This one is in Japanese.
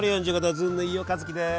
ずんの飯尾和樹です。